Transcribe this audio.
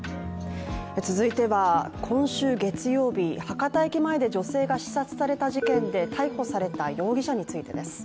続いては今週月曜日、博多駅前で女性が刺殺された事件で逮捕された容疑者についてです。